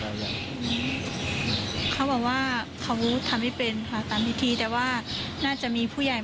วาดินอีกอะไรครับ